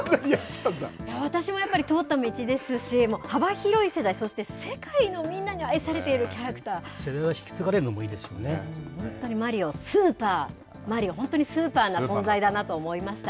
私もやっぱり、通った道ですし、もう幅広い世代、そして、世界のみんなに愛されているキャラ世代が引き継がれるのもいいマリオスーパー、マリオ、本当にスーパーな存在だなと思いました。